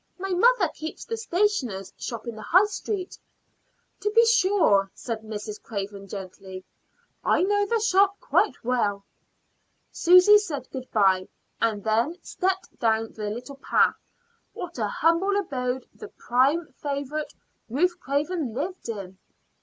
My mother keeps the stationer's shop in the High Street." "To be sure," said Mrs. Craven gently. "I know the shop quite well." Susy said good bye, and then stepped down the little path. What a humble abode the prime favorite, Ruth Craven, lived in!